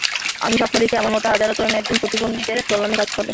আমি স্বপ্ন দেখি, আমার মতো হাজারো তরুণ একদিন প্রতিবন্ধীদের কল্যাণে কাজ করবে।